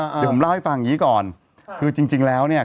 เดี๋ยวผมเล่าให้ฟังอย่างงี้ก่อนคือจริงจริงแล้วเนี่ย